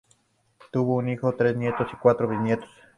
Tuvo un hijo, tres nietos y cuatro bisnietos.